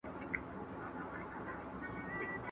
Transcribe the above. ¬ وخوره او ونغره فرق لري.